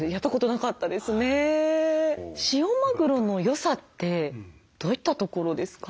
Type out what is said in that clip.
塩マグロのよさってどういったところですか？